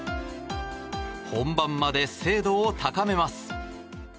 本番まで精度を高めます。